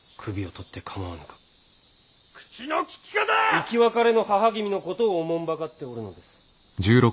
生き別れの母君のことをおもんばかっておるのです。